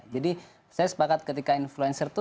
jadi saya sepakat ketika influencer itu